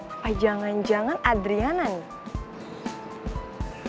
apa jangan jangan adriana nih